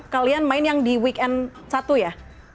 kalian main yang di weekend satu ya